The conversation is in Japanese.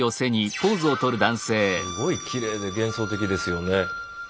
すごいきれいで幻想的ですよね。